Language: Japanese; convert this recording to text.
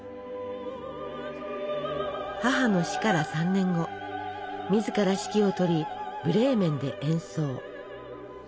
母の死から３年後自ら指揮をとりブレーメンで演奏。